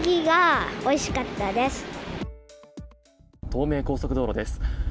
東名高速道路です。